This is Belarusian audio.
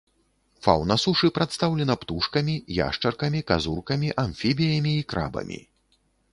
Фаўна сушы прадстаўлена птушкамі, яшчаркамі, казуркамі, амфібіямі і крабамі.